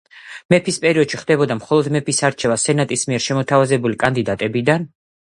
მეფის პერიოდში ხდებოდა მხოლოდ მეფის არჩევა სენატის მიერ შემოთავაზებული კანდიდატებიდან.